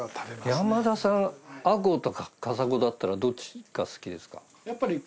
山田さんアコウとカサゴだったらどっちが好きですか？